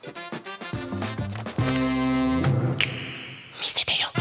みせてよ。